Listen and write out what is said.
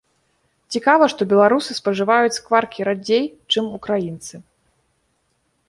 Цікава, што беларусы спажываюць скваркі радзей, чым украінцы.